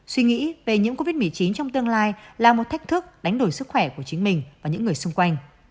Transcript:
suy nghĩ về nhiễm covid một mươi chín trong tương lai là một thách thức đánh đổi sức khỏe của chính mình và những người xung quanh